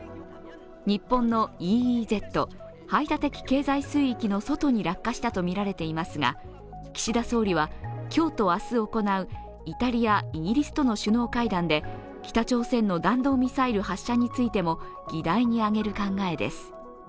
日本のＥＥＺ＝排他的経済水域の外に落下したとみられていますが岸田総理は、今日と明日行うイタリア、イギリスとの首脳会談で北朝鮮の弾道ミサイル発射についても議題に上げる考えです。